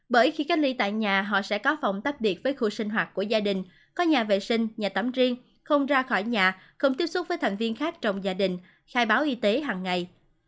bởi khi cách ly tại nhà họ sẽ có phòng tách biệt với khu sinh hoạt của gia đình có nhà vệ sinh nhà tắm riêng không ra khỏi nhà không tiếp xúc với thành viên khác trong gia đình khai báo y tế hằng ngày